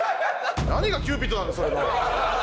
何がキューピッドなんだそれの。